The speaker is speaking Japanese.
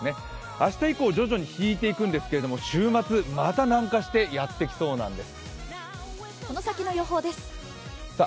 明日以降、徐々に引いていくんですが、週末、また南下してやってきそうなんです。